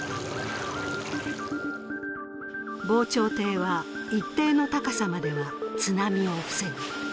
防潮堤は一定の高さまでは津波を防ぐ。